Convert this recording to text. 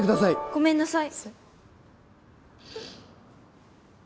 ごめんなさい。